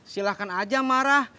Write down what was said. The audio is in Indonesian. silahkan aja marah